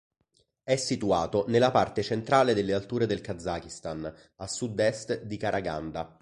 È situato nella parte centrale delle alture del Kazakistan, a sud-est di Karaganda.